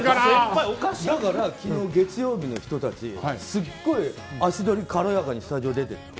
だから昨日、月曜日の人たちすごい足取りが軽やかにスタジオ出ていったよ。